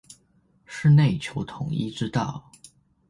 是內求統一之道